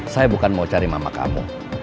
saya bukan mau cari mama kamu